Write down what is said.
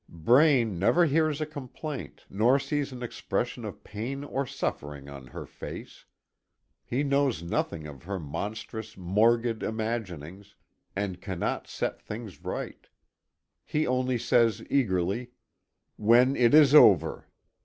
Braine never hears a complaint, nor sees an expression of pain or suffering on her face. He knows nothing of her monstrous, morbid imaginings, and cannot set things right. He only says eagerly: "When it is over!"